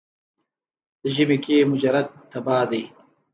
ژمي کې مجرد تبا دی.